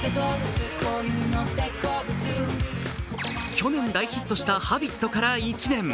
去年、大ヒットした「Ｈａｂｉｔ」から１年。